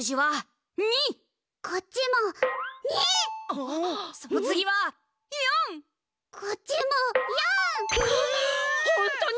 ほんとに？